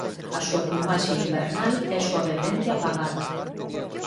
A súa plumaxe invernal é suavemente apagada.